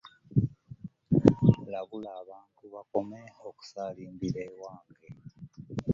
Labula abantu bakomye okusaalimbira ewange.